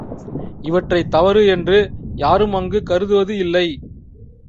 இவற்றைத் தவறு என்று யாரும் அங்குக் கருதுவது இல்லை.